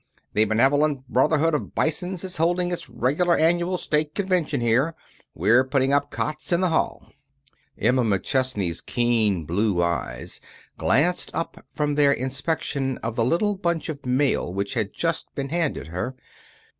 The Benevolent Brotherhood of Bisons is holding its regular annual state convention here. We're putting up cots in the hall." Emma McChesney's keen blue eyes glanced up from their inspection of the little bunch of mail which had just been handed her.